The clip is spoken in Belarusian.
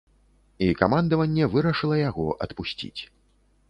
І камандаванне вырашыла яго адпусціць.